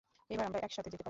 এবার আমরা একসাথে যেতে পারব।